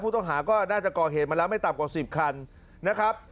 ต้องหาก็น่าจะก่อเหตุมาแล้วไม่ต่ำกว่า๑๐คันนะครับ